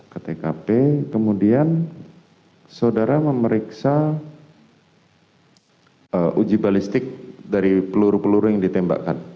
ke tkp kemudian saudara memeriksa uji balistik dari peluru peluru yang ditembakkan